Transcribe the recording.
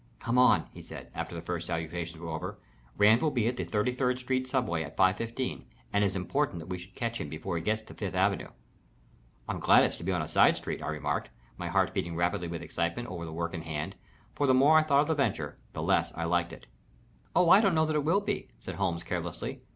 "Come on," he said, after the first salutations were over. "Rand will be at the Thirty third Street subway at 5.15, and it is important that we should catch him before he gets to Fifth Avenue." "I'm glad it's to be on a side street," I remarked, my heart beating rapidly with excitement over the work in hand, for the more I thought of the venture the less I liked it. "Oh, I don't know that it will be," said Holmes, carelessly.